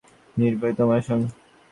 নির্ভয় তোমার সঙ্গ।